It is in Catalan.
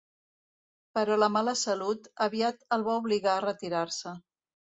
Però la mala salut aviat el va obligar a retirar-se.